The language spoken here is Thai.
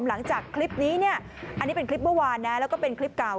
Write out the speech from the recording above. หลังจากคลิปนี้เนี่ยอันนี้เป็นคลิปเมื่อวานนะแล้วก็เป็นคลิปเก่า